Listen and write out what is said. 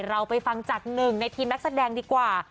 เราไปฟังจากหนึ่งในทีมนักแสดงดีกว่า